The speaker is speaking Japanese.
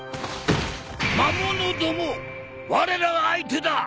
魔物どもわれらが相手だ！